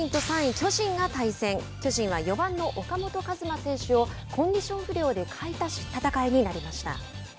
巨人は４番の岡本和真選手をコンディション不良で欠いた戦いになりました。